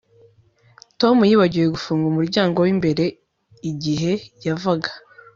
Tom yibagiwe gufunga umuryango wimbere igihe yavaga